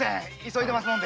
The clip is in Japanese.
急いでますから。